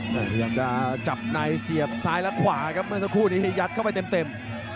แต่พยายามจะจับในเสียบซ้ายและขวาครับเมื่อสักครู่นี้ยัดเข้าไปเต็ม